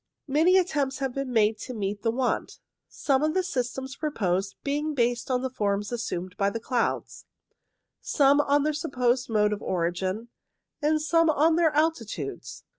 Many attempts have been made to meet the want ; some of the systems proposed being based on the forms assumed by the clouds, some on their supposed mode of origin, and some on their alti tudes.